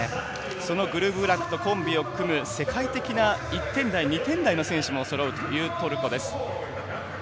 そのグルブラクとコンビを組む世界的な１点台、２点台の選手もそろうトルコです。